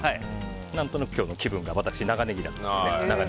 何となく今日の気分が長ネギだったので。